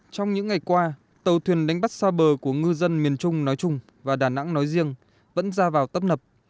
trong những ngày qua tàu thuyền đánh bắt xa bờ của ngư dân miền trung nói chung và đà nẵng nói riêng vẫn ra vào tấp nập